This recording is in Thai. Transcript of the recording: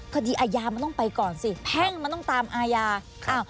คดีอาญามันต้องไปก่อนสิแพ่งมันต้องตามอาญาอ้าว